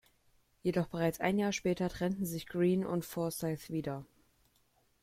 Jedoch bereits ein Jahr später trennten sich Green und Forsythe wieder.